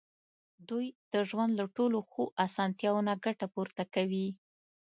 دوی د ژوند له ټولو ښو اسانتیاوو نه ګټه پورته کوي.